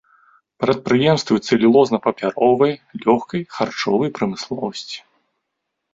Прадпрыемствы цэлюлозна-папяровай, лёгкай, харчовай прамысловасці.